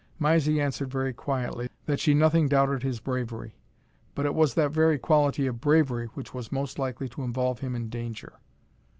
Mysie answered very quietly, that she nothing doubted his bravery; but it was that very quality of bravery which was most likely to involve him in danger.